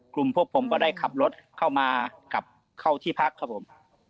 กลุ่มพวกผมก็ได้ขับรถเข้ามากลับเข้าที่พักครับผม